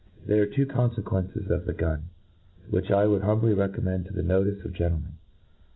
There arc two confequenccs of the gun, which I would humbly recommend to the notice of gentlemen.